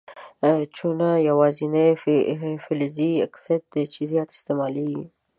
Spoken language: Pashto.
چونه یوازیني فلزي اکساید دی چې زیات استعمالیږي.